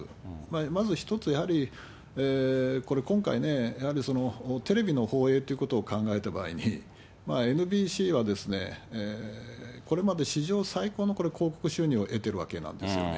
まず１つ、やはり、これ、今回ね、やはりテレビの放映ということを考えた場合に、ＮＢＣは、これまで史上最高の広告収入を得ているわけなんですよね。